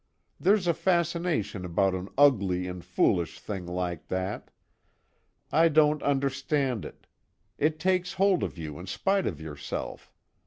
There's a fascination about an ugly and foolish thing like that. I don't understand it: it takes hold of you in spite of yourself.